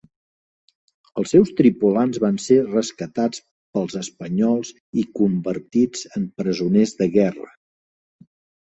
Els seus tripulants van ser rescatats pels espanyols i convertits en presoners de guerra.